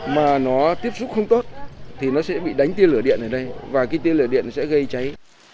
mà nó tiếp xúc không tốt thì nó sẽ bị đánh tiên lửa điện ở đây và cái tiên lửa điện sẽ gây cháy